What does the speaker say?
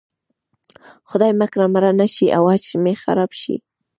خدای مه کړه مړه نه شي او حج مې خراب شي.